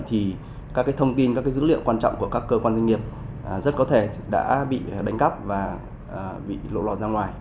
thì các thông tin các dữ liệu quan trọng của các cơ quan doanh nghiệp rất có thể đã bị đánh cắp và bị lộ lọt ra ngoài